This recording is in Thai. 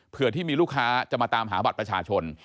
เพื่อที่มีลูกค้าจะมาตามหาบัตรประชาชน